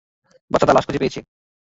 বাচ্চাটা লাশ খুঁজে পেয়েছে।